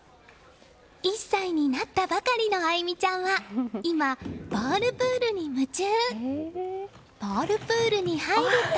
１歳になったばかりの愛心ちゃんは今、ボールプールに夢中。